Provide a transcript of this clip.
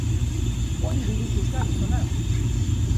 Hori buru puska, gizona!